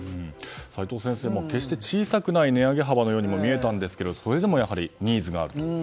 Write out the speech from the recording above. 齋藤先生、決して小さくない値上げ幅のようにも見えたんですけれどもそれでもやはりニーズがあると。